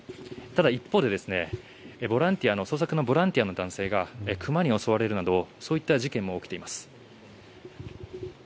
ただ、一方で捜索のボランティアの男性が熊に襲われるなどそういった事件も起きています。